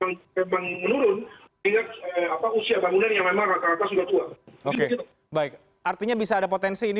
jadi saya kira lebih bagus dulu di publish apa penyebabnya